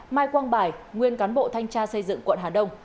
mai quang bài nguyên cán bộ thanh tra xây dựng quận hà đông